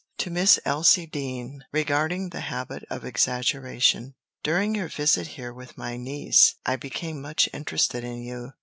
To Miss Elsie Dean Regarding the Habit of Exaggeration During your visit here with my niece, I became much interested in you.